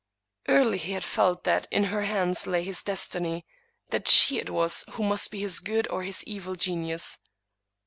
Early he had felt that in her hands lay his destiny; that she it was who must be his good or his evil genius.